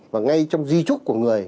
và ngay trong di trúc của người